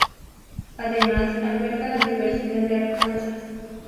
Además, alberga la Universidad de Arkansas.